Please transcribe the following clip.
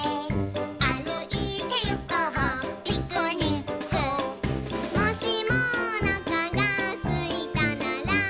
「あるいてゆこうピクニック」「もしもおなかがすいたなら」